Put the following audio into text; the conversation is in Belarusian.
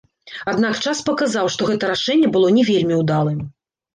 Аднак час паказаў, што гэта рашэнне было не вельмі ўдалым.